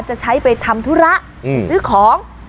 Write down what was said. สลับผัดเปลี่ยนกันงมค้นหาต่อเนื่อง๑๐ชั่วโมงด้วยกัน